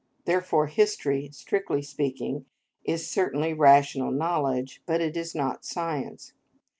Therefore, history, strictly speaking, is certainly rational knowledge, but is not science.